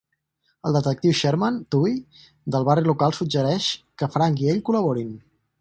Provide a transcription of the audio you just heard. El detectiu Sherman Touhey del barri local suggereix que Frank i ell col·laborin.